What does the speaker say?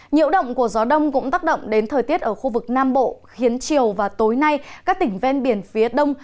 nhiễu động của gió đông cũng tác động đến thời tiết ở khu vực nam bộ khiến chiều và tối nay các tỉnh ven biển phía đông